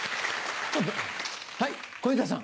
はい小遊三さん。